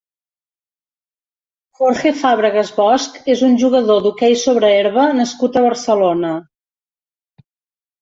Jorge Fábregas Bosch és un jugador d'hoquei sobre herba nascut a Barcelona.